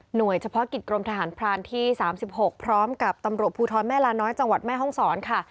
โดยเฉพาะกิจกรมทหารพรานที่๓๖พร้อมกับตำรวจภูทรแม่ลาน้อยจังหวัดแม่ห้องศรค่ะ